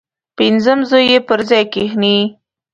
پنځم زوی یې پر ځای کښېنستی.